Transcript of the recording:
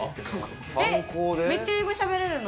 えっめっちゃ英語しゃべれるの？